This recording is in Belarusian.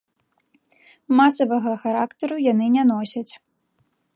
Масавага характару яны не носяць.